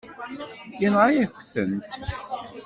Yenɣa-yak-tent.